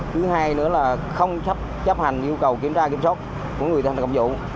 thứ hai nữa là không chấp hành yêu cầu kiểm tra kiểm soát của người thành công vụ